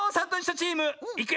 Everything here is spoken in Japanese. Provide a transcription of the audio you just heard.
チームいくよ！